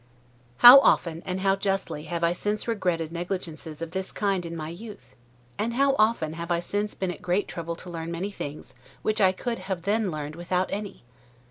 How often, and how justly, have I since regretted negligences of this kind in my youth! And how often have I since been at great trouble to learn many things which I could then have learned without any!